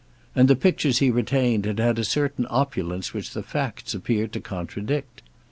And the pictures he retained had had a certain opulence which the facts appeared to contradict.